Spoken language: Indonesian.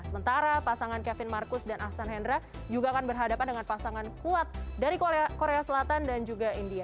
sementara pasangan kevin marcus dan ahsan hendra juga akan berhadapan dengan pasangan kuat dari korea selatan dan juga india